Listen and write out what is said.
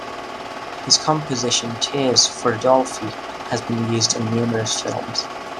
His composition "Tears for Dolphy" has been used in numerous films.